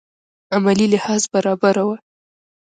عملي لحاظ برابره وه.